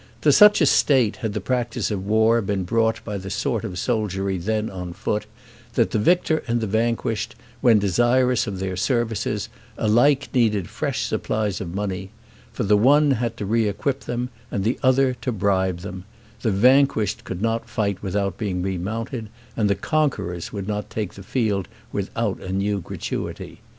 To such a state had the practice of war been brought by the sort of soldiery then on foot, that the victor and the vanquished, when desirous of their services, alike needed fresh supplies of money; for the one had to re equip them, and the other to bribe them; the vanquished could not fight without being remounted, and the conquerors would not take the field without a new gratuity.